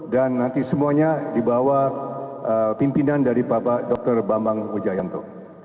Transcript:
dan nanti semuanya dibawa pimpinan dari bapak dokter bambang wijayanto